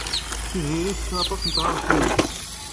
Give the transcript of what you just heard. Tiziri tessen aṭas n tɣawsiwin.